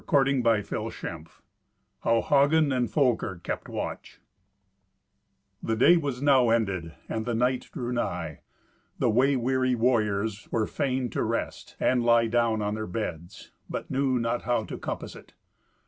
Thirtieth Adventure How Hagen and Folker Kept Watch The day was now ended and the night drew nigh. The way weary warriors were fain to rest, and lie down on their beds, but knew not how to compass it.